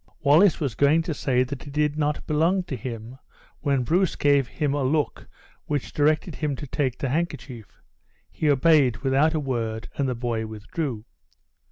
Wallace was going to say that it did not belong to him, when Bruce gave him a look which directed him to take the handkerchief. He obeyed, without a word, and the boy withdrew.